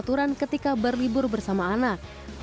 kedua sepakat diatur ketika berlibur bersama anak